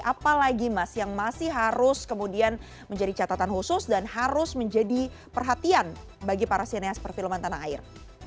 apalagi mas yang masih harus kemudian menjadi catatan khusus dan harus menjadi perhatian bagi para sineas perfilman tanah air